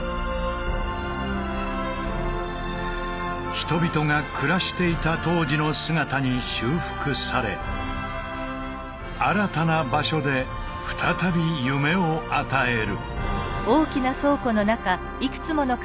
人々が暮らしていた当時の姿に修復され新たな場所で再び夢を与える。